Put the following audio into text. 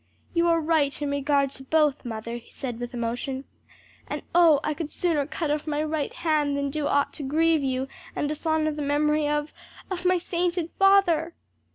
"You are right in regard to both, mother," he said with emotion: "and oh I could sooner cut off my right hand than do aught to grieve you, and dishonor the memory of of my sainted father!"